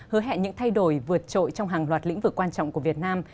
hứa hẹn những thay đổi vượt trội trong hàng loạt lĩnh vực quan trọng của việt nam